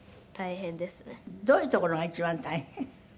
どういうところが一番大変？